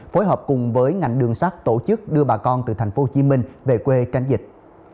phối hợp cùng với ngành đường sát tổ chức đưa bà con từ tp hcm về quê tranh dịch